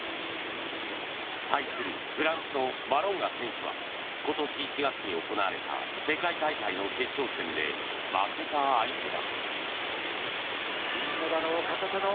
対するフランスのマロンガ選手は今年１月に行われた世界大会の決勝戦で負けた相手だ。